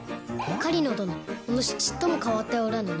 狩野殿おぬしちっとも変わっておらぬな。